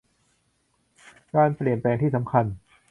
การเปลี่ยนแปลงที่สำคัญ